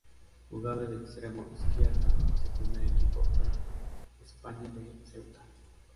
Jugaba de extremo izquierda y su primer equipo fue el España de Ceuta.